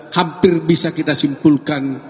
hampir bisa kita simpulkan